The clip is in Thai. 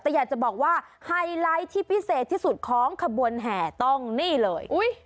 แต่อยากจะบอกว่าไฮไลท์ที่พิเศษที่สุดของขบวนแห่ต้องนี่เลย